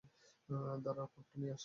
দাঁড়া কোট টা নিয়ে আসি।